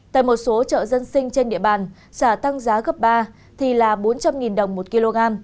tại một số chợ dân sinh trên địa bàn xả tăng giá gấp ba thì là bốn trăm linh đồng một kg